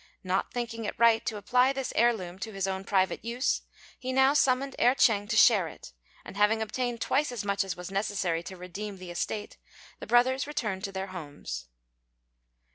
Not thinking it right to apply this heir loom to his own private use, he now summoned Erh ch'êng to share it; and having obtained twice as much as was necessary to redeem the estate, the brothers returned to their homes.